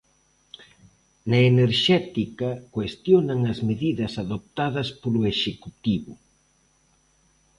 Na enerxética cuestionan as medidas adoptadas polo Executivo.